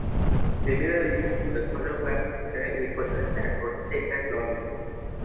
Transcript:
Similarly, the Commonwealth can impose a tax on a state employee.